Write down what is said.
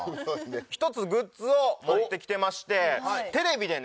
１つグッズを持ってきてましてテレビでね